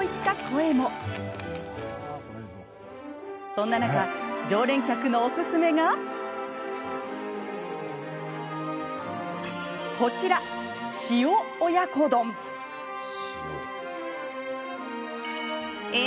そんな中常連客のおすすめが、こちらえ！